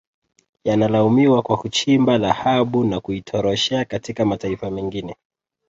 Yanalaumiwa kwa kuchimba dhahabu na kuitoroshea katika mataifa mengine